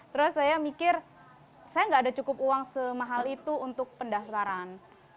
terus saya mikir saya nggak ada cukup uang semahal itu untuk pendaftaran